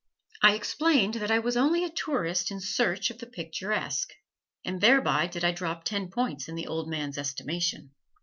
I explained that I was only a tourist in search of the picturesque, and thereby did I drop ten points in the old man's estimation.